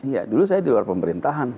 iya dulu saya di luar pemerintahan